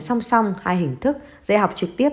song song hai hình thức dạy học trực tiếp